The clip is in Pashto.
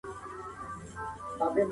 د ټولنپوه کړنلاره تحليلي او څېړنیزه ده.